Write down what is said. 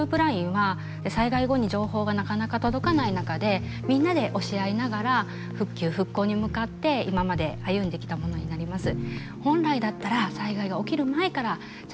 ＬＩＮＥは災害後に情報がなかなか届かない中でみんなで教え合いながら復旧・復興に向かって今まで歩んできたものになります。